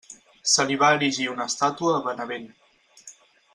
Se li va erigir una estàtua a Benevent.